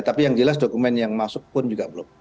tapi yang jelas dokumen yang masuk pun juga belum